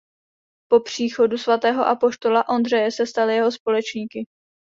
Po příchodu svatého apoštola Ondřeje se stali jeho společníky.